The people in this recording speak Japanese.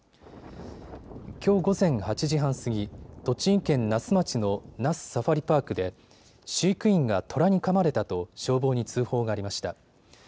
きょう午前８時半過ぎ、栃木県那須町の那須サファリパークで飼育員がトラにかまれたと消防に通報がありました。